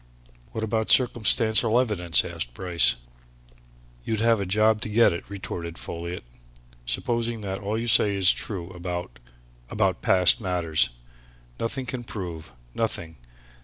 "What about circumstantial evidence," asked Bryce. "You'd have a job to get it," retorted Folliot. "Supposing that all you say is true about about past matters? Nothing can prove nothing!